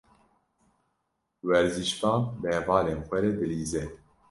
Werzîşvan bi hevalên xwe re dilîze.